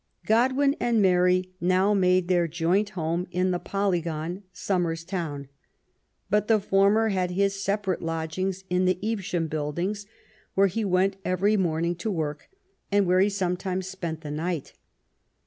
Godwin and Mary now made their joint home in the Polygon, Somer's Town. But the former had his sepa rate lodgings in the Evesham Buildings, where he went every morning to work, and where he sometimes spent the night.